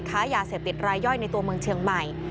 ค้ายาเสพติดรายย่อยในตัวเมืองเชียงใหม่